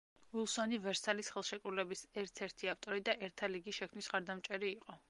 უილსონი ვერსალის ხელშეკრულების ერთ-ერთი ავტორი და ერთა ლიგის შექმნის მხარდამჭერი იყო.